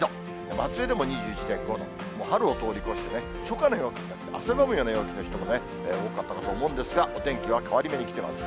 松江でも２１．５度、もう春を通り越してね、初夏の陽気、汗ばむような陽気の人も多かったかと思うんですが、お天気は変わり目に来ています。